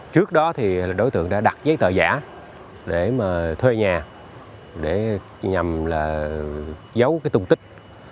trước đó thì đối tượng đã đặt giấy tờ giả để mà thuê nhà để nhằm là giấu cái tung tích